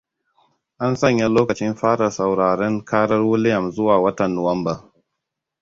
An sanyalokacin fara sauraren ƙarar Willi'am zuwa watan Nuwamba.